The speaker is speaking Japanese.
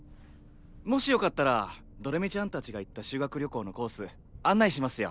もしよかったらどれみちゃんたちが行った修学旅行のコース案内しますよ。